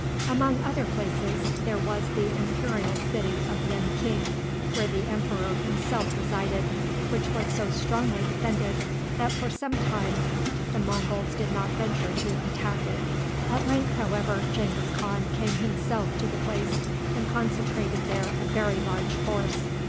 Among other places, there was the imperial city of Yen king, where the emperor himself resided, which was so strongly defended that for some time the Monguls did not venture to attack it. At length, however, Genghis Khan came himself to the place, and concentrated there a very large force.